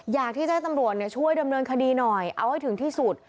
อยากที่จะให้ตำรวจช่วยดำเนินคดีหน่อยเอาให้ถึงที่สุด